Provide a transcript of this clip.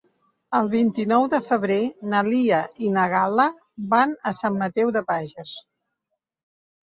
El vint-i-nou de febrer na Lia i na Gal·la van a Sant Mateu de Bages.